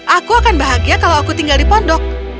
aku akan bahagia kalau aku tinggal di pondok